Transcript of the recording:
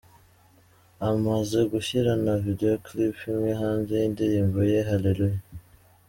Amaze gushyira na video clip imwe hanze yindirimbo ye Hallelujah :.